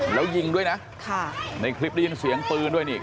แล้วยิงด้วยนะในคลิปได้ยินเสียงปืนด้วยนี่